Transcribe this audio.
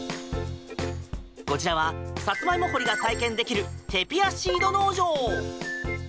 こちらはサツマイモ掘りが体験できるテピアシード農場。